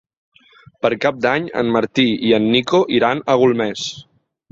Per Cap d'Any en Martí i en Nico iran a Golmés.